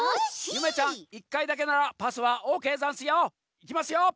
ゆめちゃん１かいだけならパスはオーケーざんすよ。いきますよ。